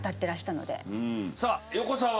さあ横澤。